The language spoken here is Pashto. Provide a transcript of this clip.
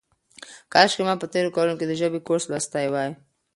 کاشکې ما په تېرو کلونو کې د ژبې کورس لوستی وای.